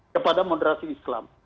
kepada moderasi islam